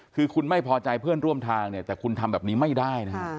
คือคุณไม่พอใจเพื่อนร่วมทางเนี่ยแต่คุณทำแบบนี้ไม่ได้นะฮะ